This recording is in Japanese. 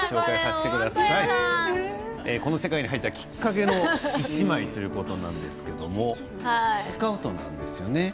この世界に入ったきっかけの１枚ということなんですがスカウトです。